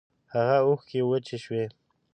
هاغه اوښکی وچې شوې